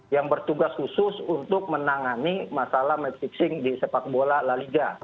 yang bertugas khusus untuk menangani masalah match fixing di sepak bola la liga